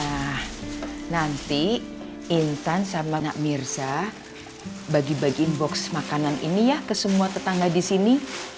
nah nanti intan sama nak mirza bagi bagi box makanan ini ya ke semua tetangga di sini